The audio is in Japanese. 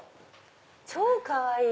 超かわいい！